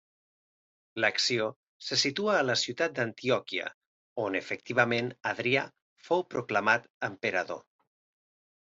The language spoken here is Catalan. L'acció se situa a la ciutat d'Antioquia, on efectivament Adrià fou proclamat emperador.